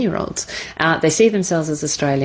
mereka melihat dirinya sebagai orang australia